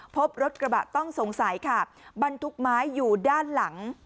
พบรถกระบะต้องสงสัยค่ะบรรทุกไม้อยู่ด้านหลัง